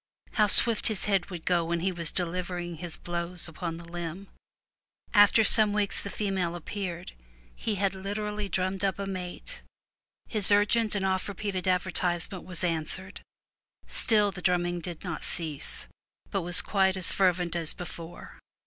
How swift his head would go when he was delivering his blows upon the limb! After some weeks the female appeared; he had literally drummed up a mate; his urgent and oft repeated advertisement was answered. Still the drumming did not cease, but was quite as fervent as before.